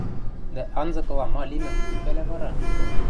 Дӓ анзыкыла ма лимӹм кӱ пӓлӓ вара?